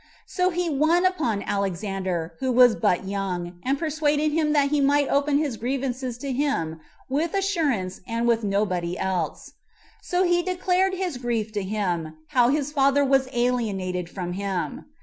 So he won upon Alexander, who was but young; and persuaded him that he might open his grievances to him with assurance and with nobody else. So he declared his grief to him, how his father was alienated from him.